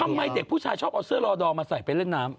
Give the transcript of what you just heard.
เด็กผู้ชายชอบเอาเสื้อรอดอมาใส่ไปเล่นน้ำ